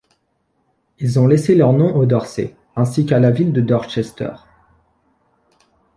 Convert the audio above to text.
Ils ont laissé leur nom au Dorset, ainsi qu'à la ville de Dorchester.